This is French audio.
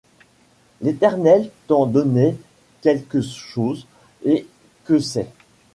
L’Éternel t’en donnait quelque chose ; et que c’est